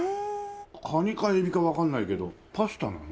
カニかエビかわかんないけどパスタなの？